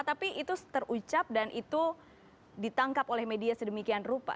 tapi itu terucap dan itu ditangkap oleh media sedemikian rupa